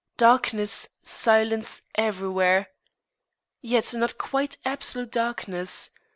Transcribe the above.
Darkness, silence everywhere. Yet not quite absolute darkness.